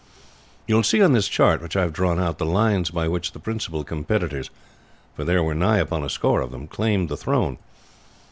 "You will see on this chart, which I have drawn out, the lines by which the principal competitors for there were nigh upon a score of them claimed the throne.